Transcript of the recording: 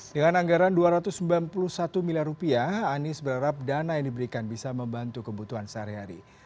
dengan anggaran rp dua ratus sembilan puluh satu miliar rupiah anies berharap dana yang diberikan bisa membantu kebutuhan sehari hari